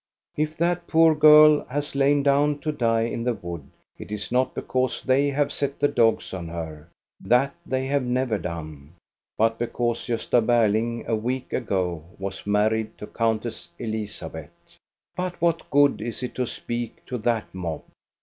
If that poor girl has lain down to die in the wood, it is not because they have set the dogs on her, — that they have never done, — but because Gosta Berling, a week ago, was married to Countess Elizabeth. But what good is it to speak to that mob?